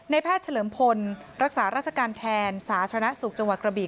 แพทย์เฉลิมพลรักษาราชการแทนสาธารณสุขจังหวัดกระบี